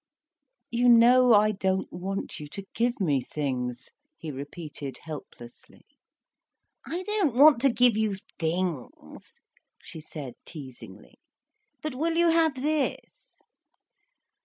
"You know I don't want you to give me things," he repeated helplessly. "I don't want to give you things," she said teasingly. "But will you have this?"